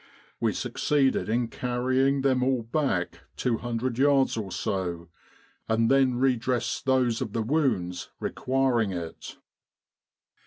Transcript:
We succeeded in carrying them all back 200 yards or so, and then re dressed those of the wounds requiring it.